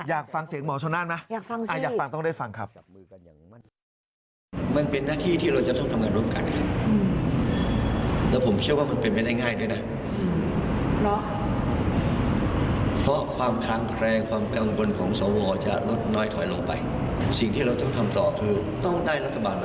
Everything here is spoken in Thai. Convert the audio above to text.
อยากฟังเสียงหมอชนนั่นไหมอยากฟังต้องได้ฟังครับ